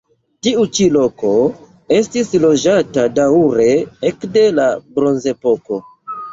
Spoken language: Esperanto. Tiu ĉi loko estis loĝata daŭre ekde la bronzepoko.